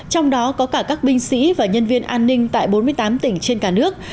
trong đó có cả các binh sĩ và nhân viên an ninh tại bốn mươi tám tỉnh trên cả nước